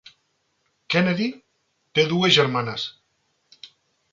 Kennedy té dues germanes.